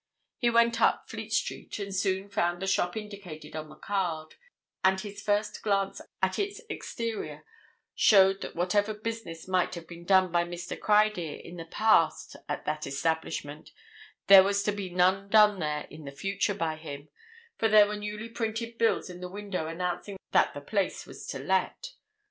He went up Fleet Street and soon found the shop indicated on the card, and his first glance at its exterior showed that whatever business might have been done by Mr. Criedir in the past at that establishment there was to be none done there in the future by him, for there were newly printed bills in the window announcing that the place was to let.